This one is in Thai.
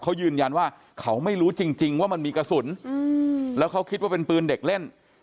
เขายืนยันว่าเขาไม่รู้จริงว่ามันมีกระสุนแล้วเขาคิดว่าเป็นปืนเด็กเล่น